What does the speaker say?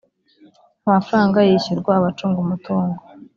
amafaranga yishyurwa abacunga umutungo